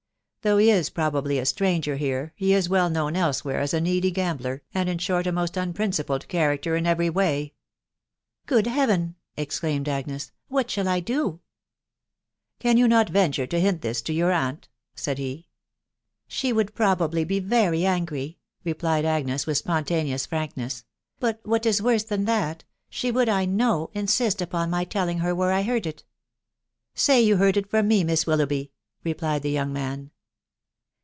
Though he is probably a stranger here, he is well known elsewhere as a needy gambler, and, in short, a most unprincipled character in every way." Good Heaven !" exclaimed Agnes, " what shall I do ?'* Can you not venture to hint this to your aunt ?" said he. She would probably be very angry," replied Agnes with spontaneous frankness ;" but what is worse than that, she would, I know, insist upon my telling her where I heard it." " Say that you heard it from me, Miss Willoughby,'* re plied the young man.